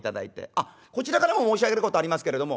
あっこちらからも申し上げることありますけれども。